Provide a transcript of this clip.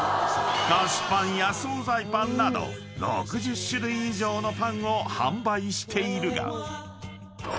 ［菓子パンや惣菜パンなど６０種類以上のパンを販売しているが］